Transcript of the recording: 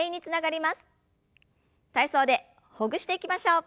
体操でほぐしていきましょう。